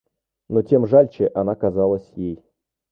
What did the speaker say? Но тем жалче она казалась ей.